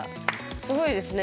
すごいですね